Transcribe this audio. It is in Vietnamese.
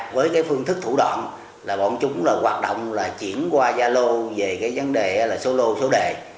với phương thức thủ đoạn bọn chúng hoạt động là chuyển qua gia lô về vấn đề số lô số đề